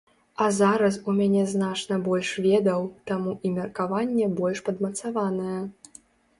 А зараз у мяне значна больш ведаў, таму і меркаванне больш падмацаванае.